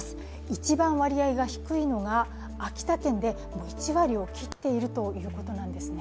一番割合が低いのが秋田県で１割を切っているということなんですね。